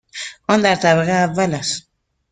آن در طبقه اول است.